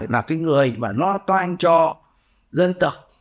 là cái người mà nó toan cho dân tộc